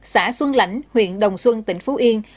xã xuân lãnh huyện đồng xuân tỉnh phú yên